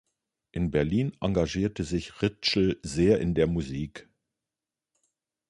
In Berlin engagierte sich Ritschl sehr in der Musik.